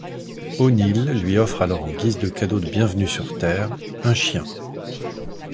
O'Neill lui offre alors en guise de cadeau de bienvenue sur Terre un chien.